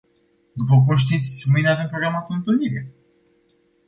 După cum știți, mâine avem programată o întâlnire.